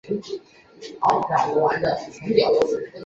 半边莲属桔梗科半边莲属。